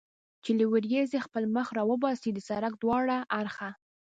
چې له ورېځې خپل مخ را وباسي، د سړک دواړه اړخه.